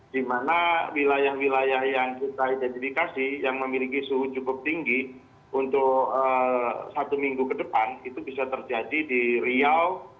di mana wilayah wilayah yang kita identifikasi yang memiliki suhu cukup tinggi untuk satu minggu ke depan itu bisa terjadi di riau